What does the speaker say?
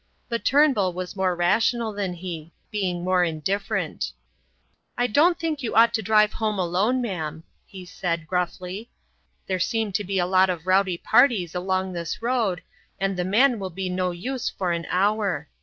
But Turnbull was more rational than he, being more indifferent. "I don't think you ought to drive home alone, ma'am," he said, gruffly. "There seem to be a lot of rowdy parties along this road, and the man will be no use for an hour.